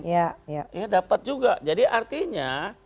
ya dapat juga jadi artinya